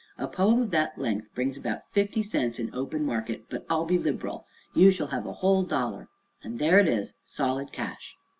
"A poem of that length brings about fifty cents in open market, but I'll be liberal. You shall have a whole dollar and there it is, solid cash."